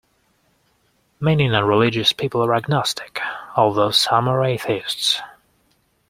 Many nonreligious people are agnostic, although some are atheists